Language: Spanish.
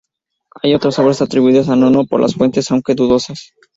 Hay otras obras atribuidas a Nono por las fuentes, aunque dudosas.